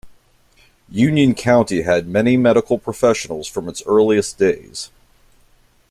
Union County had many medical professionals from its earliest days.